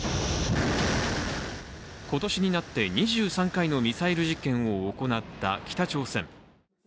今年になって２３回のミサイル実験を行った北朝鮮。